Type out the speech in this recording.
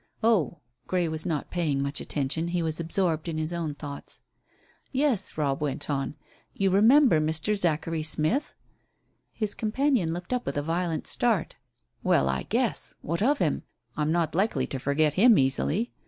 "Oh." Grey was not paying much attention; he was absorbed in his own thoughts. "Yes," Robb went on. "You remember Mr. Zachary Smith?" His companion looked up with a violent start. "Well, I guess. What of him? I'm not likely to forget him easily.